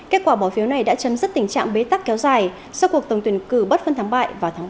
kết quả bỏ phiếu này đã chấm dứt tình trạng bế tắc kéo dài sau cuộc tổng tuyển cử bất phân thắng bại vào tháng ba